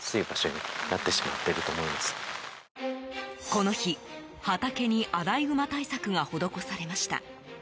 この日、畑にアライグマ対策が施されました。